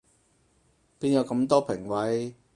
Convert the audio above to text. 邊有咁多評委